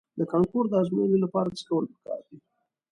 د کانکور د ازموینې لپاره څه کول په کار دي؟